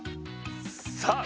さあ